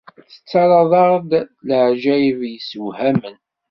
Tettarraḍ-aɣ-d s leɛǧayeb yessewhamen.